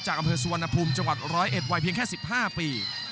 จากกำเทศสุวรรณภูมิจังหวัดร้อยเอ็ดวัยเพียงแค่๑๕ปี